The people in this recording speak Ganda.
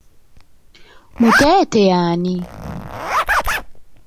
Muteete y'ani?